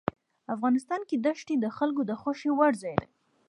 افغانستان کې دښتې د خلکو د خوښې وړ ځای دی.